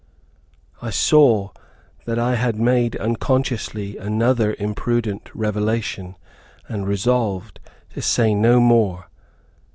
I saw that I had made unconsciously another imprudent revelation, and resolved to say no more.